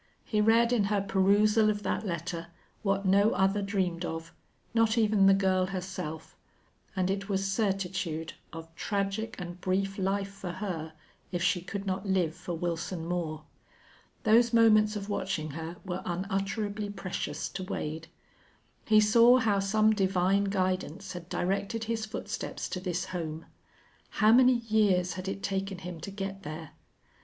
He read in her perusal of that letter what no other dreamed of, not even the girl herself; and it was certitude of tragic and brief life for her if she could not live for Wilson Moore. Those moments of watching her were unutterably precious to Wade. He saw how some divine guidance had directed his footsteps to this home. How many years had it taken him to get there!